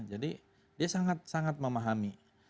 jadi dia sangat sangat memahami